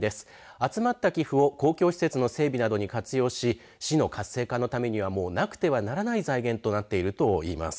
集まった寄付を公共施設の整備などに活用し市の活性化のためにはなくてはならない財源となっているといいます。